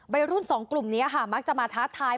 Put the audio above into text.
วัยรุ่นสองกลุ่มนี้ค่ะมักจะมาท้าทาย